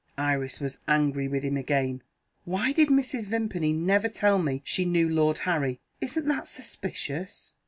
Iris was angry with him again: "Why did Mrs. Vimpany never tell me she knew Lord Harry? Isn't that suspicious?"